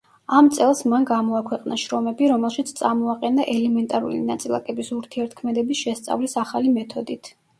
ამ წელს მან გამოაქვეყნა შრომები, რომელშიც წამოაყენა ელემენტარული ნაწილაკების ურთიერთქმედების შესწავლის ახალი მეთოდით.